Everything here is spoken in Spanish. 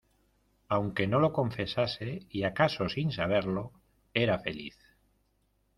aunque no lo confesase, y acaso sin saberlo , era feliz